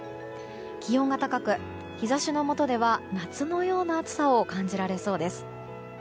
気温が高く、日差しの下では夏のような暑さを感じられそうです。